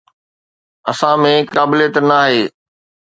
اسان ۾ قابليت ناهي.